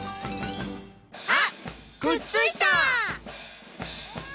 あっくっついた！